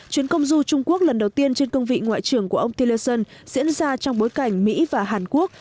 chuyến công du trung quốc lần đầu tiên trên cương vị ngoại trưởng của ông tillerson diễn ra trong bối cảnh mỹ và hàn quốc